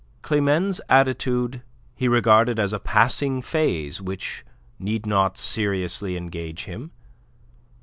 Climene's attitude he regarded as a passing phase which need not seriously engage him.